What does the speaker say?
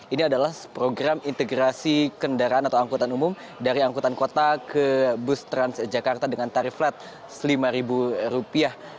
ini adalah program integrasi kendaraan atau angkutan umum dari angkutan kota ke bus transjakarta dengan tarif flat lima rupiah